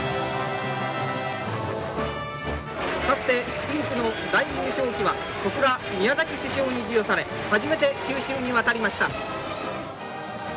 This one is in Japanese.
深紅の大優勝旗は小倉宮崎主将に授与され初めて九州に渡りました。